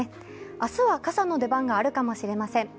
明日は傘の出番があるかもしれません。